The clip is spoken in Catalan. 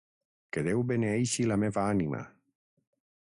Que Déu beneeixi la meva ànima!